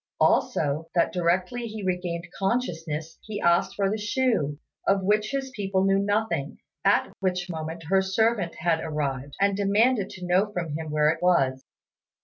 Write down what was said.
Also, that directly he regained consciousness he asked for the shoe, of which his people knew nothing; at which moment her servant had arrived, and demanded to know from him where it was.